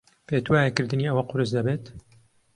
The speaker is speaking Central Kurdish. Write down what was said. پێت وایە کردنی ئەوە قورس دەبێت؟